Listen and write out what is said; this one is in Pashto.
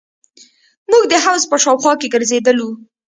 موږ د حوض په شاوخوا کښې ګرځېدلو.